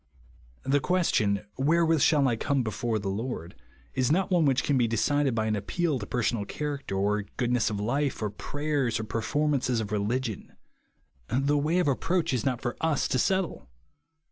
The question, "Wherewith shall I como before the Lord ?" is not one which can be decided by an appeal to personal character, or goodness of life, or prayers, or perfonn ances of religion. The way of approach is not for us to settle.